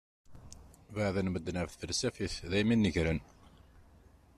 Beɛden medden ɣef tfelsafit daymi i nnegran.